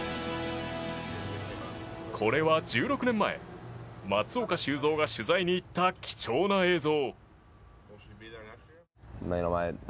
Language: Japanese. これは１６年前松岡修造が取材に行った貴重な映像。